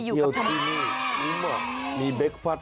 โอ้ยเที่ยวที่นี่อืมอ่ะมีเบ็กฟาตด้วย